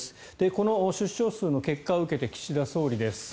この出生数の結果を受けて岸田総理です。